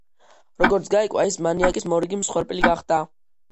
როგორც გაირკვა ის მანიაკის მორიგი მსხვერპლი გახდა.